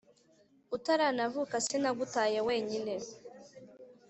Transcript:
utaranavuka sinagutaye wenyine